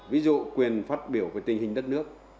ví dụ quyền phát biểu về tình hình đất nước